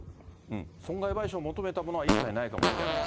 損害賠償を求めたものは一切ないかもしれない。